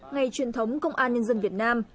ngày truyền thống công an nhân dân việt nam